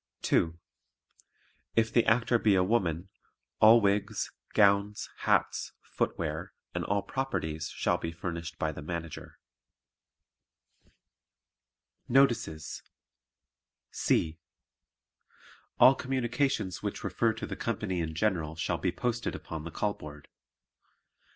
(2) If the Actor be a woman, all wigs, gowns, hats, footwear and all "properties" shall be furnished by the Manager. [Illustration: BELLE BAKER] Notices C. All communications which refer to the company in general shall be posted upon the call board.